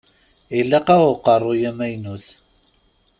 Ilaq-aɣ uqeṛṛuy amaynut.